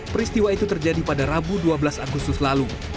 peristiwa itu terjadi pada rabu dua belas agustus lalu